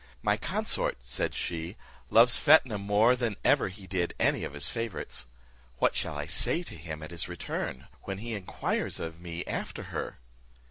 "My consort," said she, "loves Fetnah more than ever he did any of his favourites. What shall I say to him at his return, when he inquires of me after her?"